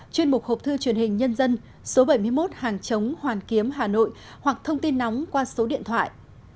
chuyên mục hộp thư truyền hình nhân dân số bảy mươi một hàng chống hoàn kiếm hà nội hoặc thông tin nóng qua số điện thoại hai mươi bốn ba nghìn bảy trăm năm mươi sáu bảy trăm năm mươi sáu